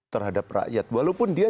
terhadap rakyat walaupun dia